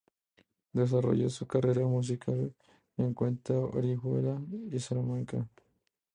Desarrolló su carrera musical en Cuenca, Orihuela y Salamanca.